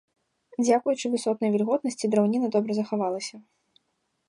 Дзякуючы высокай вільготнасці драўніна добра захавалася.